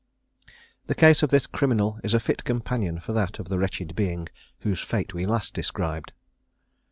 The case of this criminal is a fit companion for that of the wretched being whose fate we last described.